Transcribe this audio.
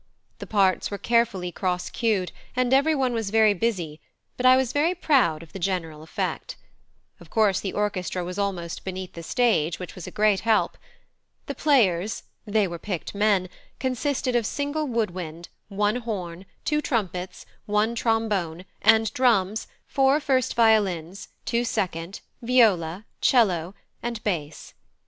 The parts were carefully cross cued, and everyone was very busy, but I was very proud of the general effect. Of course, the orchestra was almost beneath the stage, which was a great help. The players they were picked men consisted of single wood wind, one horn, two trumpets, one trombone, and drums, four first violins, two second, viola, 'cello, and bass.